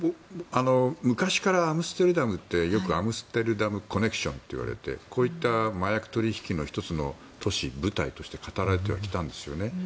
昔からアムステルダムってよくアムステルダムコネクションといわれてこういった麻薬取引の１つの舞台として語られてはきたんですよね。